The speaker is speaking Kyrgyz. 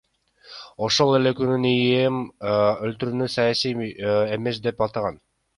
Ошол эле күнү ИИМ өлтүрүүнү саясий эмес деп атаган.